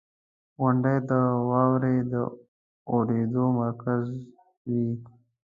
• غونډۍ د واورې د اورېدو مرکز وي.